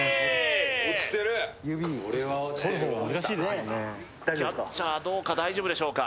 ・これは落ちてるわキャッチャーどうか大丈夫でしょうか？